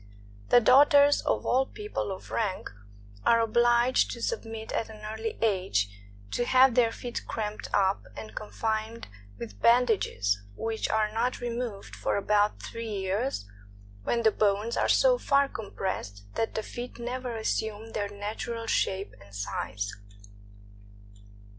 The daughters of all people of rank are obliged to submit at an early age to have their feet cramped up and confined with bandages, which are not removed for about three years, when the bones are so far compressed that the feet never assume their natural shape and size.